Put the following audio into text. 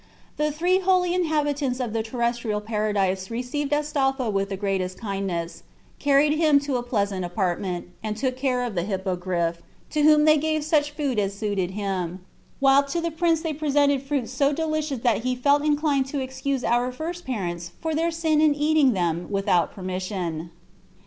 The three holy inhabitants of the terrestrial paradise received Astolpho with the greatest kindness, carried him to a pleasant apartment, and took great care of the Hippogriff, to whom they gave such food as suited him, while to the prince they presented fruits so delicious that he felt inclined to excuse our first parents for their sin in eating them without permission.